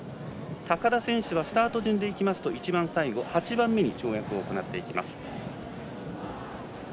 高田選手はスタート順でいうと一番最後、８番目に跳躍を行っていきます。